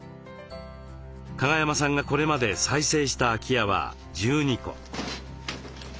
加賀山さんがこれまで再生した空き家は１２戸。